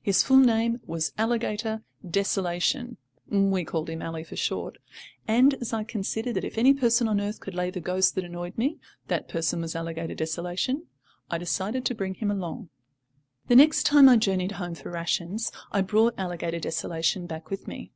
His full name was Alligator Desolation (we called him "Ally" for short): and, as I considered that if any person on earth could lay the ghost that annoyed me, that person was Alligator Desolation, I decided to bring him along. The next time I journeyed home for rations I brought Alligator Desolation back with me.